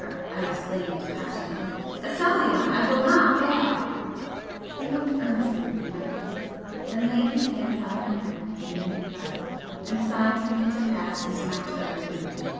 I exclaimed, passionately "Aselzion, I will not fail!" He looked earnestly in my face then laid his hands on my head in a mute blessing, and signed to me to pass into my turret room.